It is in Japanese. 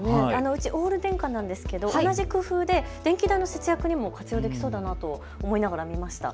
うち、オール電化なんですけれども電気代の節約にも活用できそうだと思いながら見ました。